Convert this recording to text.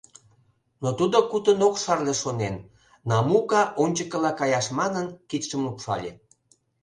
Но тудо кутын ок шарле шонен, Намука ончыкыла каяш манын, кидшым лупшале.